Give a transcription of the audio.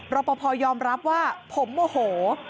รอปภยอมรับว่าผมโมโห